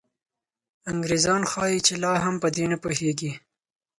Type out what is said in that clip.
انګریزان ښایي چې لا هم په دې نه پوهېږي.